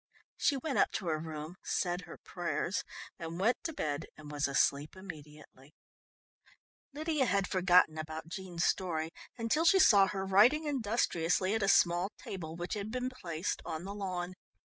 She went up to her room, said her prayers and went to bed and was asleep immediately. Lydia had forgotten about Jean's story until she saw her writing industriously at a small table which had been placed on the lawn.